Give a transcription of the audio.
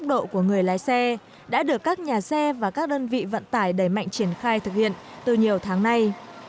độ của người lái xe đã được các nhà xe và các đơn vị vận tải đẩy mạnh triển khai thực hiện từ nhiều tháng nay